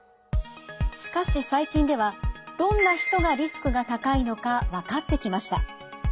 しかし最近ではどんな人がリスクが高いのか分かってきました。